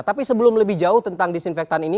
tapi sebelum lebih jauh tentang disinfektan ini